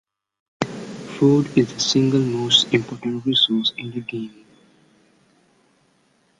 Food is the single most important resource in the game.